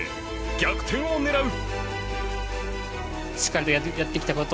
逆転を狙う。